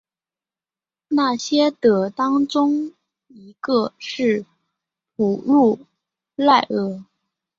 那些的当中一个是库路耐尔。